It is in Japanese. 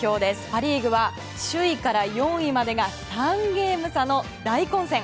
パリーグは首位から４位までが３ゲーム差の大混戦。